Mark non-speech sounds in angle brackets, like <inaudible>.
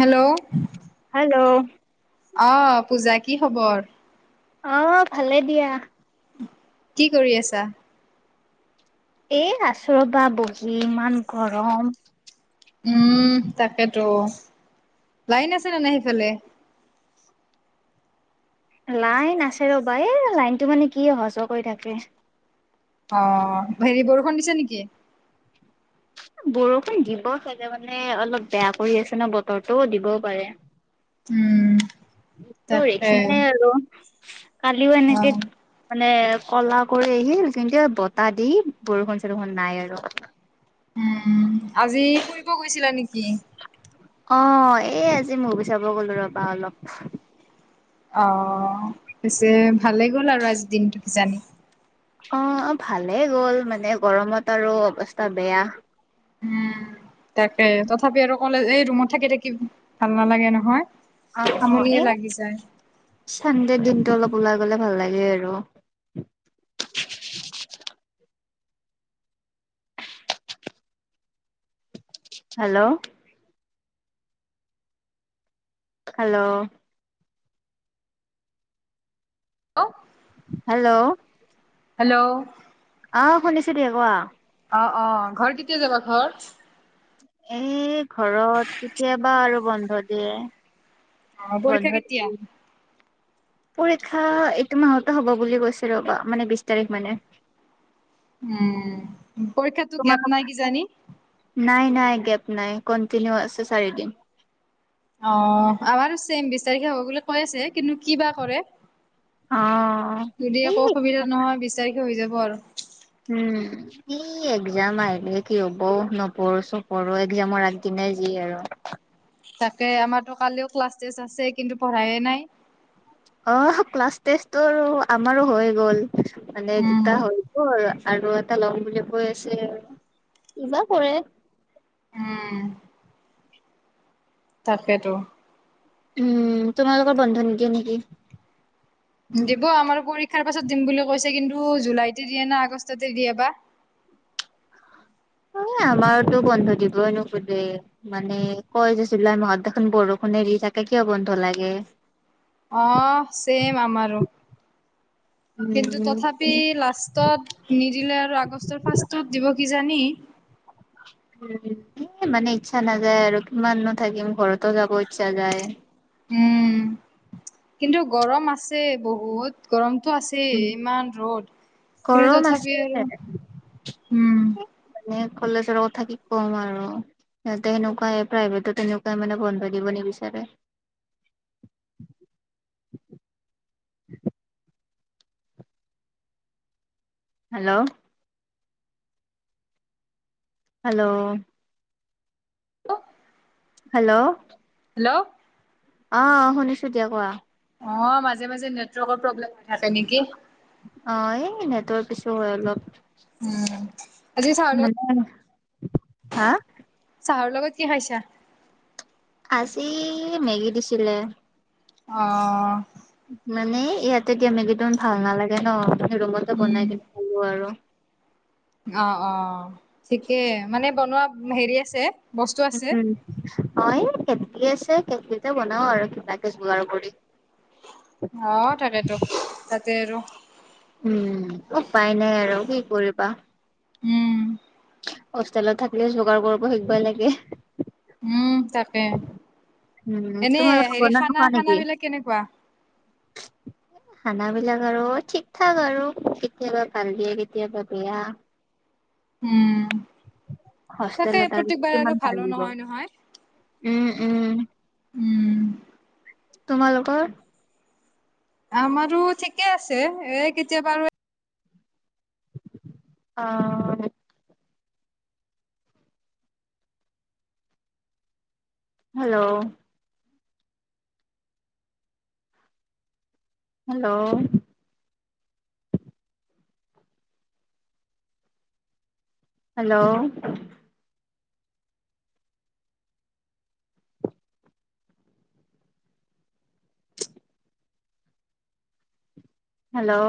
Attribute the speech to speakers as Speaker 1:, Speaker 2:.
Speaker 1: Hello
Speaker 2: hello.
Speaker 1: অ' পূজা কি খবৰ?
Speaker 2: অ' ভালে দিয়া।
Speaker 1: কি কৰি আছা?
Speaker 2: এ, আছোঁ ৰ'বা বহি ইমান গৰম।
Speaker 1: উম, তাকেতো। লাইন আছে না নাই সেইফালে?
Speaker 2: লাইন আছে ৰ'বা এই লাইনটো মানে কি অহা যোৱা কৰি থাকে।
Speaker 1: অ' হেৰি বৰষুণ দিছে নেকি?
Speaker 2: বৰষুণ দিব চাগে মানে অলপ বেয়া কৰি আছে ন' বতৰটোও দিবও পাৰে?
Speaker 1: উম।
Speaker 2: <unintelligible>
Speaker 1: তাকে
Speaker 2: আৰু কালিও এনেকে
Speaker 1: অ'
Speaker 2: মানে ক'লা কৰি আহিল কিন্তু যেনকে বতাহ দি বৰষুণ চৰষুণ নাই আৰু।
Speaker 1: উম, আজি ফুৰিব গৈছিলা নেকি।
Speaker 2: অ' এ, আজি মোভি চাব গ'লো ৰ'বা অলপ।
Speaker 1: অ' পিছে ভালেই গ'ল আৰু আজিৰ দিনটো কিজানি।
Speaker 2: অ' ভালেই গ'ল মানে গৰমত আৰু অৱস্থা বেয়া।
Speaker 1: উম, তাকে তথাপি আৰু কলে এই ৰুমত থাকি থাকি ভাল নালাগে নহয়।
Speaker 2: অ', অ',
Speaker 1: আমনিয়ে
Speaker 2: এ,
Speaker 1: লাগি যায়।
Speaker 2: চানডে দিনটো অলপ ওলাই গ'লে ভাল লাগে আৰু। হেল্ল'। হেল্ল'। হেল্ল'।
Speaker 1: হেল্ল'।
Speaker 2: অ' শুনিছোঁ দিয়া কোৱা।
Speaker 1: অ', অ', ঘৰ কেতিয়া যাবা ঘৰ?
Speaker 2: এ, ঘৰত কেতিয়াবা আৰু বন্ধ দিয়ে।
Speaker 1: অ' পৰীক্ষা
Speaker 2: বন্ধ
Speaker 1: কেতিয়া?
Speaker 2: <unintelligible> পৰীক্ষা এইটো মাহতে হ'ব বুলি কৈছে ৰ'বা মানে বিশ তাৰিখ মানে।
Speaker 1: উম, পৰীক্ষাতো
Speaker 2: তোমাৰ
Speaker 1: গেপ নাই কিজানি।
Speaker 2: নাই নাই গেপ নাই, কন্টিনিউ আছে চাৰিদিন।
Speaker 1: অ, আমাৰ ছেম বিছ তাৰিখে হ'ব বুলি কৈ আছে কিন্তু কি বা কৰে।
Speaker 2: অ
Speaker 1: যদি
Speaker 2: এই
Speaker 1: একো অসুবিধা নহয় বিচাৰিকে হৈ যাব আৰু।
Speaker 2: উম, ই এক্জাম আহিলে কি হ'ব, নপঢ়ো চো পঢ়ো এক্জামৰ আগদিনাই যি আৰু।
Speaker 1: তাকে আমাৰতো কালিও ক্লাছ টেষ্ট আছে কিন্তু পঢ়ায়ে নাই।
Speaker 2: অ ক্লাছ টেষ্টটো আমাৰো হৈ গ'ল। মানে
Speaker 1: উম
Speaker 2: দুটা হয় গ'ল আৰু এ এটা লম বুলি কৈ আছে আৰু কিবা কৰে।
Speaker 1: উম, তাকেইেতো।
Speaker 2: উম, তোমালোকৰ বন্ধ নিদিয়ে নেকি।
Speaker 1: দিব আমাৰ পৰীক্ষাৰ পাছত দিম বুলি কৈছে কিন্তু জুলাইতে দিয়ে না আগষ্টতে দিয়ে বা।
Speaker 2: অ, আমাৰতো বন্ধ দিবই নোখোজে। মানে কয় যেছিলুলাই মাহত দেখোন বৰষুণ এৰি থাকে কিয় বন্ধ লাগে।
Speaker 1: অ, চম আমাৰো কিন্তু
Speaker 2: উম
Speaker 1: তথাপি লাষ্ট নিদিলে আৰু আগষ্টৰ ফাৰ্ষ্ত দিব কি জানি।
Speaker 2: উ, এ মানে ইচ্ছা নাযায় আৰু কিমানো‌ থাকিম ঘৰতো যাব ইচ্ছা যায়।
Speaker 1: উম, কিন্তু গৰম আছে বহুত। গৰমতটো আছেই
Speaker 2: উম।
Speaker 1: ইমান ৰ'দ কিন্তু
Speaker 2: গৰম আছে
Speaker 1: তথাপি আৰু। উম।
Speaker 2: মানে কলেজৰ কথা কি কম আৰু। তে তেনেুৱাই প্ৰাইভেটত তেনেকুৱাই মানে বন্ধাই দিব নিবিচাৰে। হেল্ল, হেল্ল, হেল্ল,
Speaker 1: হেল্ল,
Speaker 2: অ, শুনিছো দিয়া কোৱা।
Speaker 1: অ, মাজে মাজে নেটৱৰ্কৰ প্ৰব্লেম হৈ থাকে নেকি।
Speaker 2: অ, এই নেটৱৰ্কৰ ইচো হয় অলপ।
Speaker 1: উম, আজি চাহৰ লগত
Speaker 2: হা,
Speaker 1: চাহৰ লগত কি খাইছা।
Speaker 2: আজি মেগী দিছিলে।
Speaker 1: অ,
Speaker 2: মানে ইয়াতে দিয়া মেগীটো ভাল নালাগে ন আ, ৰুমতে
Speaker 1: উম।
Speaker 2: বনাই কিনে খালো আৰু।
Speaker 1: অ, অ, ঠিকে মানে বনোৱা হেৰি আছে। বস্তু আছে।
Speaker 2: হয়, কেটলি আছে কেটলিতে বনাও আৰু কিবাকে যোগাৰ কৰি।
Speaker 1: অ, তাকেতো তাতে আৰু।
Speaker 2: উম, উপায় নাই আৰু কি কৰিবা।
Speaker 1: উম,
Speaker 2: হোষ্টেলত থাকিলে যোগাৰ কৰিব শিকিবই লাগে।
Speaker 1: উম, তাকে
Speaker 2: উম
Speaker 1: এনে হেৰি খানা, খানা বিলাক কেনেকুৱা।
Speaker 2: <inaudible> খানাবিলাক আৰু ঠিক ঠাক আৰু কেতিয়াবা ভাল দিয়ে কেতিয়াবা বেয়া।
Speaker 1: উম, তাকে
Speaker 2: হোষ্টেলত
Speaker 1: প্ৰত্যেকবাৰেই
Speaker 2: কিমান
Speaker 1: আৰু
Speaker 2: ভাল
Speaker 1: ভালো
Speaker 2: দিব
Speaker 1: নহয় নহয়।
Speaker 2: উম, উম,
Speaker 1: উম,
Speaker 2: তোমালোকৰ?
Speaker 1: আমাৰো ঠিকে আছে এ, কেতিয়াবা আৰু।
Speaker 2: অ'। হেল্ল'। হেল্ল'। হেল্ল'। হেল্ল'।